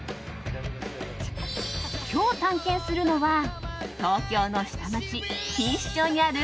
今日探検するのは東京の下町、錦糸町にある